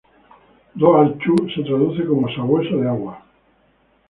Dobhar-chú se traduce como "sabueso de agua".